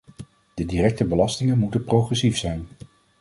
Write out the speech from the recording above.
De directe belastingen moeten progressief zijn.